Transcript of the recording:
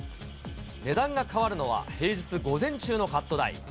値段が変わるのは平日午前中のカット代。